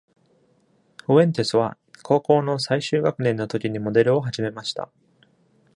フエンテスは高校の最終学年のときにモデルを始めました。